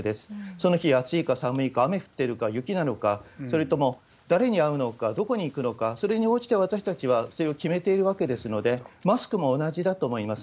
その日、暑いか、寒いか、雨降ってるか、雪なのか、それとも誰に会うのか、どこに行くのか、それに応じて私たちはそれを決めているわけですので、マスクも同じだと思います。